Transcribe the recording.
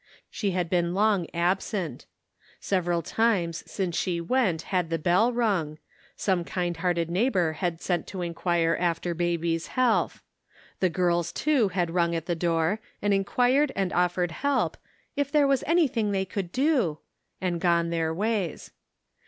She haa been long absent. Several times since she went had the bell rung — some kind hearted neighbor had sent to inquire after baby's health ; the girls, too, had rung at the door, and. inquired and offered help, " if there was anything they could do," and gojie their ways.